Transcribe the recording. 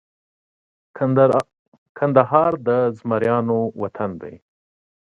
کندهار د زمریانو ټاټوبۍ دی